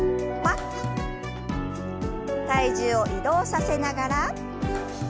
体重を移動させながら。